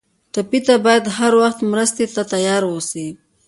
ټپي ته باید هر وخت مرستې ته تیار ووسو.